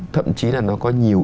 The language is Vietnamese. thậm chí là nó có nhiều